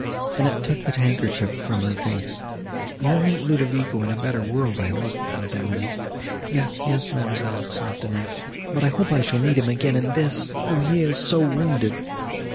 Annette took the handkerchief from her face. "You will meet Ludovico in a better world, I hope," added Emily. "Yes—yes,—ma'amselle," sobbed Annette, "but I hope I shall meet him again in this—though he is so wounded!"